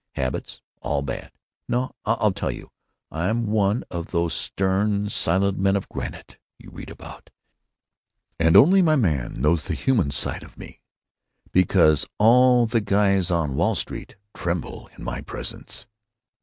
Habits, all bad.... No, I'll tell you. I'm one of those stern, silent men of granite you read about, and only my man knows the human side of me, because all the guys on Wall Street tremble in me presence."